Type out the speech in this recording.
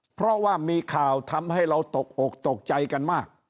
เพราะว่ามีข่าวทำให้เราตกอกตกใจกันมาก